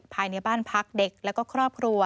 ภายในบ้านพักเด็กและก็ครอบครัว